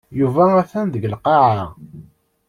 Yuba atan deg lqaɛa.